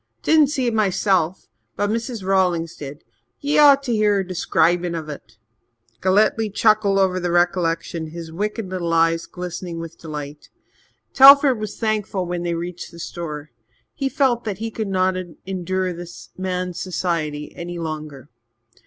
Didn't see it myself but Mrs. Rawlings did. Ye ought to hear her describin' of it." Galletly chuckled over the recollection, his wicked little eyes glistening with delight. Telford was thankful when they reached the store. He felt that he could not endure this man's society any longer.